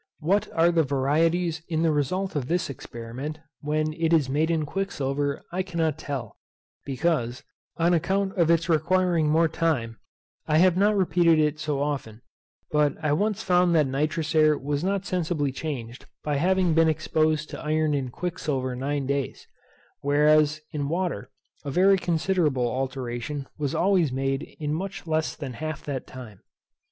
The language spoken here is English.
What are the varieties in the result of this experiment when it is made in quicksilver I cannot tell, because, on account of its requiring more time, I have not repeated it so often; but I once found that nitrous air was not sensibly changed by having been exposed to iron in quicksilver nine days; whereas in water a very considerable alteration was always made in much less than half that time.